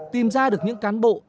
tìm ra được những cán bộ